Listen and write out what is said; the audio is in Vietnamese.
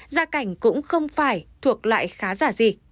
gia cảnh cũng không phải thuộc lại khá giả gì